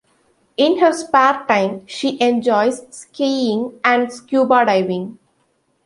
In her spare time she enjoys skiing and Scuba diving.